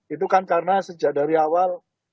itu kan karena sejak dari awal